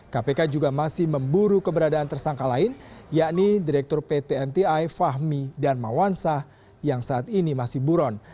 kpk juga masih memburu keberadaan tersangka lain yakni direktur pt mti fahmi dan mawansah yang saat ini masih buron